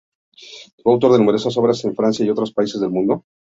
Fue autor de numerosas obras en Francia y en otros países del mundo.